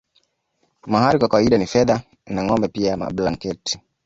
Mahari kwa kawaida ni fedha na ngombe pia mablanketi